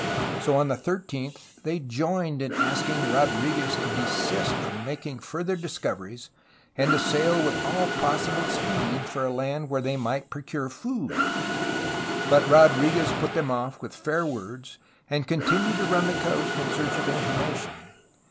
So on the 13th they joined in asking Rodriguez to desist from making further discoveries and to sail with all possible speed for a land where they might procure food. But Rodrfguez put them off with fair words, and continued to run the coast in search of information.